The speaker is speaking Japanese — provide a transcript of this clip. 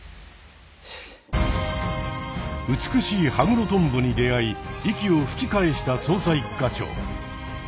美しいハグロトンボに出会い息をふき返した捜査一課長。